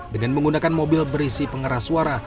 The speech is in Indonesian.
dengan menggunakan mobil berisi pengeras suara